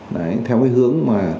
đấy theo cái hướng mà